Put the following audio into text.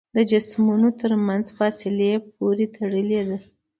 د جسمونو تر منځ فاصلې پورې تړلې ده.